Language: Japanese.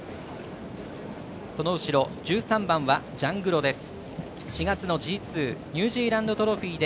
その後ろ、１３番はジャングロです。